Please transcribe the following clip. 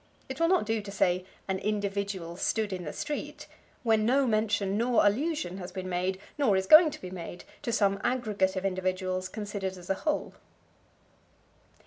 It will not do to say, "An individual stood in the street," when no mention nor allusion has been made, nor is going to be made, to some aggregate of individuals considered as a whole.